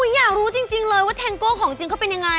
อยากรู้จริงเลยว่าแทงโก้ของจริงเขาเป็นยังไง